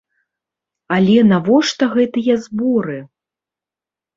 Але навошта гэтыя зборы?